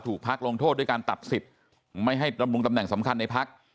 พักลงโทษด้วยการตัดสิทธิ์ไม่ให้ดำรงตำแหน่งสำคัญในพัก